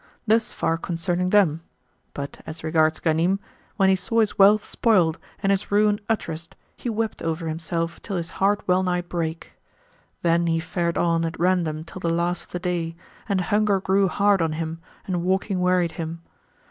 Thus far concerning them; but as regards Ghanim, when he saw his wealth spoiled and his ruin utterest he wept over himself till his heart well nigh brake. Then he fared on at random till the last of the day, and hunger grew hard on him and walking wearied him.